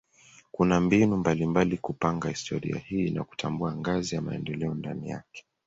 Kuna mbinu mbalimbali kupanga historia hii na kutambua ngazi za maendeleo ndani yake.